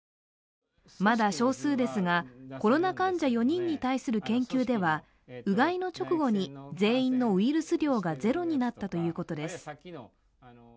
まだ少数ですが、コロナ患者４人に対する研究ではうがいの直後に全員のウイルス量がゼロになったということです。